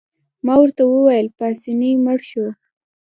ما ورته وویل: پاسیني مړ شو.